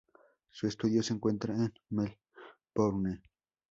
Su estudio se encuentra en Melbourne.